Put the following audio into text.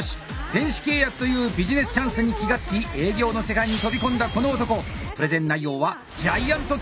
電子契約というビジネスチャンスに気が付き営業の世界に飛び込んだこの男。